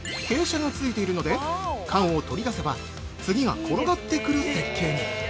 傾斜がついているので、缶を取り出せば次が転がってくる設計に。